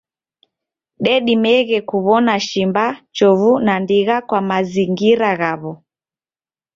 Dedimeghe kuwona shimba, chovu, na ndigha kwa mazingira ghawo.